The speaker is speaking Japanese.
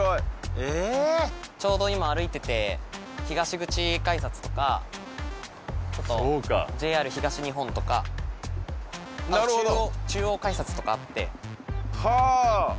ちょうど今歩いてて東口改札とかそうかＪＲ東日本とかなるほど中央改札とかあってはあ